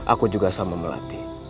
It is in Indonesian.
aku juga sama melati